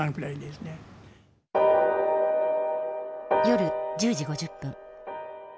夜１０時５０分。